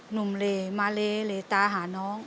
หนุ่มเลมาเลเหลตาหาน้อง